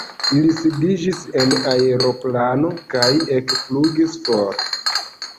Ili sidiĝis en aeroplano kaj ekflugis for.